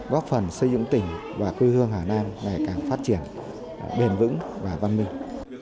góp phần xây dựng tỉnh và quê hương hà nam ngày càng phát triển bền vững và văn minh